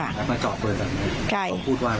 ถ้าพูดว่าอยู่กับใคร